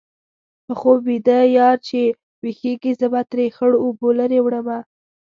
په خوب ویده یار چې ويښېږي-زه به ترې خړو اوبو لرې وړې یمه